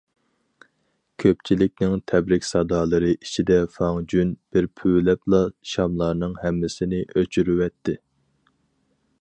كۆپچىلىكنىڭ تەبرىك سادالىرى ئىچىدە فاڭ جۈن بىر پۈۋلەپلا شاملارنىڭ ھەممىسىنى ئۆچۈرۈۋەتتى.